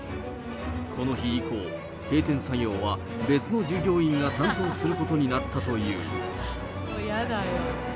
この日以降、閉店作業は別の従業員が担当することになったという。